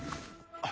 あっ！